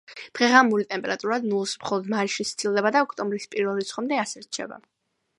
დღე-ღამური ტემპერატურა ნულს მხოლოდ მაისში სცილდება და ოქტომბრის პირველ რიცხვებამდე ასე რჩება.